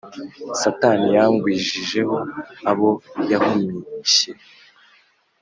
satani yagwijije abo yahumishye.